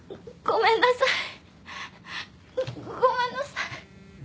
ごめんなさい。